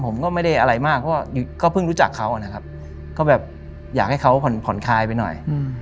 ผมก็ไม่ได้อะไรมากเพราะก็เพิ่งรู้จักเขานะครับก็แบบอยากให้เขาผ่อนผ่อนคลายไปหน่อย